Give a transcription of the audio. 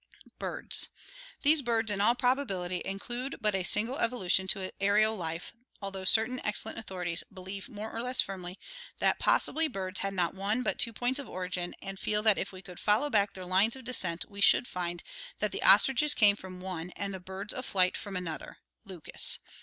Birds. — These birds in all probability include but a single evolu tion to atrial life, although certain excellent authorities "believe more or less firmly that possibly birds had not one, but two points of origin, and feel that if we could follow back their lines of descent we should find that the ostriches came from one and the birds of flight from another" (Lucas).